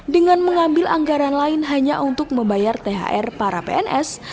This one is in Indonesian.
dengan mengambil anggaran lain hanya untuk membayar thr para pns